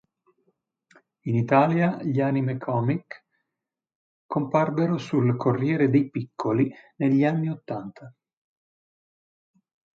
In Italia gli anime comic comparvero sul "Corriere dei Piccoli" negli anni ottanta.